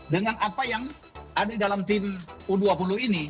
dengan apa yang ada di dalam tim u dua puluh ini